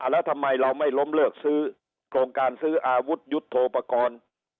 แล้วทำไมเราไม่ล้มเลิกซื้อโครงการซื้ออาวุธยุทธโทปกรณ์